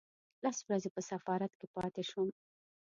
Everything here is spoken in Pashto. لس ورځې په سفارت کې پاتې شوم.